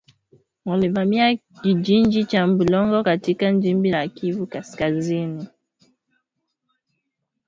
Walivamia kijiji cha Bulongo katika jimbo la Kivu kaskazini.